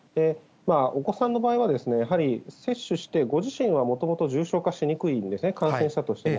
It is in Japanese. お子さんの場合は、やはり接種して、ご自身はもともと重症化しにくいんですね、感染したとしても。